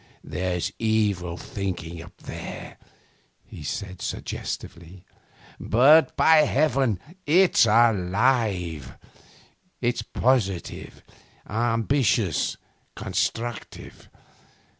'There's evil thinking up there,' he said suggestively, 'but, by heaven, it's alive; it's positive, ambitious, constructive.